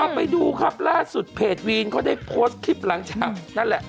เอาไปดูครับล่าสุดเพจวีนเขาได้โพสต์คลิปหลังจากนั่นแหละ